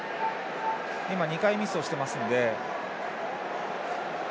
今、２回ミスしてますので。